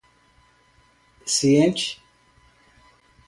ciente